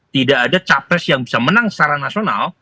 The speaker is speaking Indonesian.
tidak ada capres yang bisa menang secara nasional